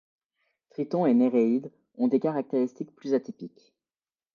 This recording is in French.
Triton et Néréide ont des caractéristiques plus atypiques.